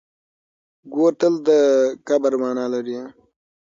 ګور تل د کبر مانا لري.